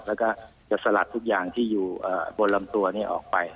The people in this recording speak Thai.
แล้วก็จะสลัดทุกอย่างที่อยู่บนลำตัวนี้ออกไป